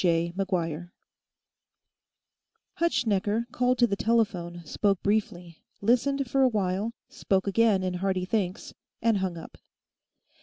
Hutschnecker, called to the telephone, spoke briefly, listened for a while, spoke again in hearty thanks, and hung up.